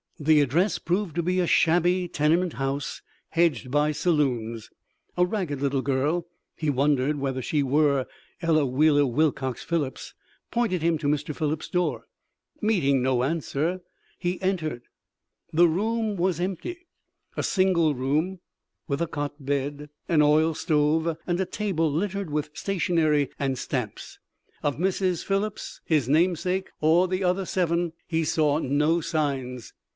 The address proved to be a shabby tenement house hedged by saloons. A ragged little girl (he wondered whether she were Ella Wheeler Wilcox Phillips) pointed him to Mr. Phillips's door. Meeting no answer, he entered. The room was empty a single room, with a cot bed, an oil stove and a table littered with stationery and stamps. Of Mrs. Phillips, his namesake or the other seven he saw no signs.